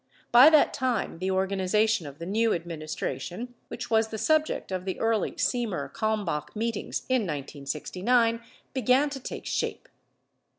By that time, the organization of the new administration — which was the subject of the early Semer Kalmbach meetings in 1969 — began to take shape.